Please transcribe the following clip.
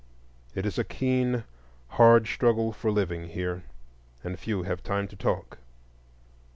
It is a keen, hard struggle for living here, and few have time to talk.